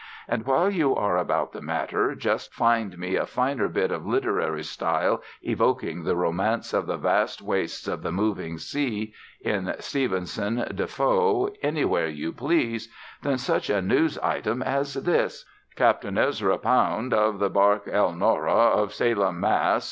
And while you are about the matter, just find me a finer bit of literary style evoking the romance of the vast wastes of the moving sea, in Stevenson, Defoe, anywhere you please, than such a news item as this: "Capt. Ezra Pound, of the bark Elnora, of Salem, Mass.